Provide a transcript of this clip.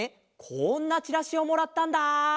こんなチラシをもらったんだ！